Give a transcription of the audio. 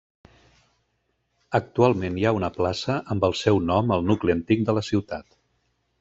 Actualment hi ha una plaça amb el seu nom al nucli antic de la ciutat.